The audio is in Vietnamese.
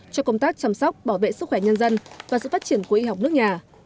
cho công tác chăm sóc bảo vệ sức khỏe nhân dân và sự phát triển của y học nước nhà